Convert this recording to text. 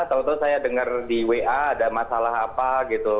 tau tau saya dengar di wa ada masalah apa gitu